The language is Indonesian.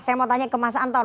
saya mau tanya ke mas anton